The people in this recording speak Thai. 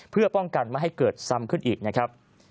เพื่อป้องกันไม่ให้เกิดซ้ำขึ้นอีกนะครับ